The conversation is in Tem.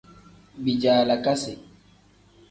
Bijaalakasi.